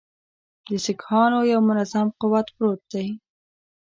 د سیکهانو یو منظم قوت پروت دی.